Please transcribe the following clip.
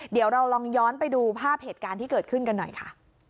เดี๋ยวเราลองย้อนไปดูภาพเหตุการณ์ที่เกิดขึ้นกันหน่อยค่ะ